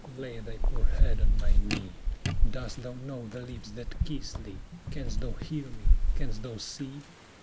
lay thy poor head on my knee; Dost thou know the lips that kiss thee? Canst thou hear me? canst thou see?